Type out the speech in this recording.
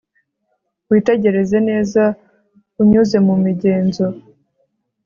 Witegereze neza unyuze mumigenzo